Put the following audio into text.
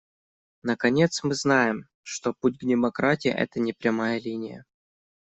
Наконец, мы знаем, что путь к демократии — это не прямая линия.